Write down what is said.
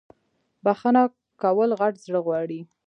بخښنه کول غت زړه غواړی